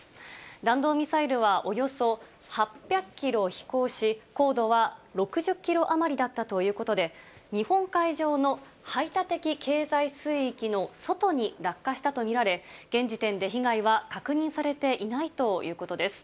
弾道ミサイルはおよそ８００キロ飛行し、高度は６０キロ余りだったということで、日本海上の排他的経済水域の外に落下したと見られ、現時点で被害は確認されていないということです。